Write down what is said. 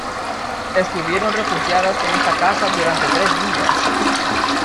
Estuvieron refugiadas en esta casa durante tres días.